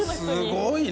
すごいね。